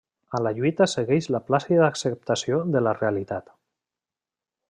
A la lluita segueix la plàcida acceptació de la realitat.